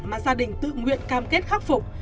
mà gia đình tự nguyện cam kết khắc phục